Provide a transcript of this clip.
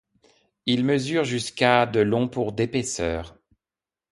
Il mesure jusqu'à de long pour d'épaisseur.